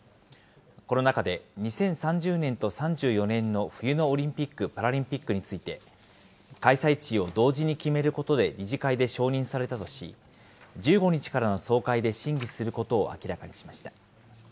この中で、２０３０年と３４年の冬のオリンピック・パラリンピックについて、開催地を同時に決めることで理事会で承認されたとし、１５日からの総会で審議することを明らかにしました。